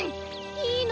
いいの？